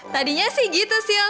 tadinya sih gitu sisil